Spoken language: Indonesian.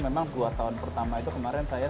memang dua tahun pertama itu kemarin saya